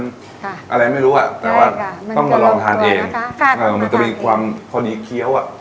อะไรไม่รู้อ่ะแต่ว่าต้องมาลองทานเองค่ะเอ่อมันจะมีความพอดีเคี้ยวอ่ะ